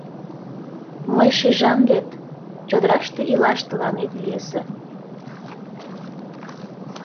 — Мый шижам вет: чодыраште илаш тыланет йӧсӧ.